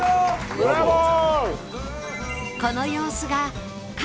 ブラボー！